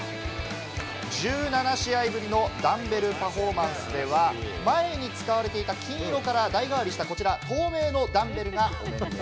１７試合ぶりのダンベルパフォーマンスでは、前に使われていた金色から代がわりした、こちら透明のダンベルがお目見え。